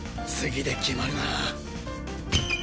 次で決まるな。